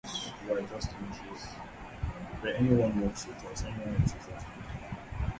It contrasts with cantata, which is usually accompanied singing.